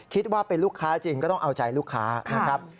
คิดว่าเป็นลูกค้าจริงก็ต้องเอาใจลูกค้านะครับ